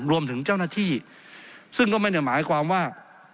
รวมถึงเจ้าหน้าที่ซึ่งก็ไม่ได้หมายความว่า